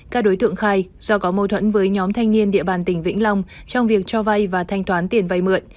các đối tượng khai do có mâu thuẫn với nhóm thanh niên địa bàn tỉnh vĩnh long trong việc cho vay và thanh toán tiền vay mượn